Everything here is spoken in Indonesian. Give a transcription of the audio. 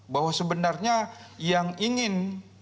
bahwa sebenarnya yang ingin